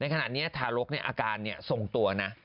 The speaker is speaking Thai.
ในขณะนี้ทารกนี่อาการนี่ทรงตัวนะ